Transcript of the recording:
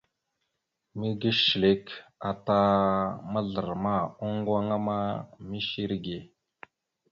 Mege shəlek ata mazlarəma, oŋŋgoŋa ma mishe irəge.